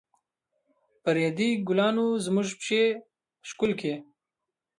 د ريدي ګلانو زموږ پښې ښکل کړې.